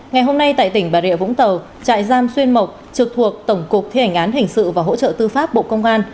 ngày hôm nay tại tỉnh bà rịa vũng tàu trại giam xuyên mộc trực thuộc tổng cục thi hành án hình sự và hỗ trợ tư pháp bộ công an